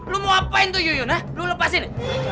lo mau apain tuh yuyun lo lepasin